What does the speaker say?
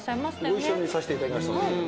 ご一緒に見させていただきました。